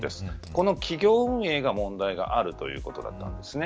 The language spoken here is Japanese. この企業運営が問題があるということなんです。